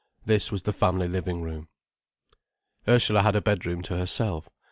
This was the family living room. Ursula had a bedroom to herself.